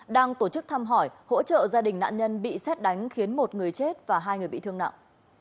đang tổ chức thăm hỏi hỗ trợ gia đình nạn nhân bị xét đánh khiến một người chết và hai người bị thương nặng